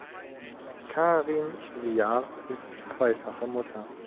Karin Viard ist zweifache Mutter.